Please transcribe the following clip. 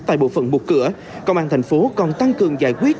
tại bộ phận một cửa công an thành phố còn tăng cường giải quyết